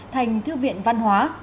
thành thư viện văn hóa